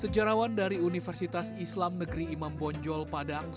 sejarawan dari universitas islam negeri imam bonjol padang